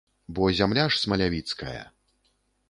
Бо зямля ж смалявіцкая.